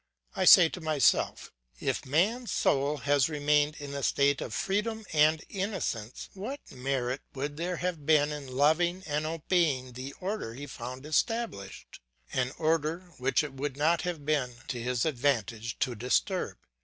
I say to myself: If man's soul had remained in a state of freedom and innocence, what merit would there have been in loving and obeying the order he found established, an order which it would not have been to his advantage to disturb?